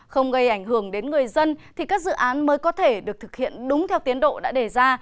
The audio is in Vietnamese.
không gây ảnh hưởng đến người dân thì các dự án mới có thể được thực hiện đúng theo tiến độ đã đề ra